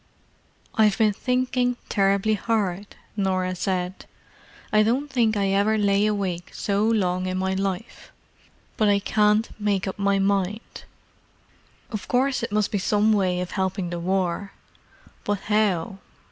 "I've been thinking terribly hard," Norah said. "I don't think I ever lay awake so long in my life. But I can't make up my mind. Of course it must be some way of helping the War. But how?